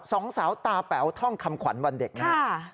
สองสาวตาแป๋วท่องคำขวัญวันเด็กนะครับ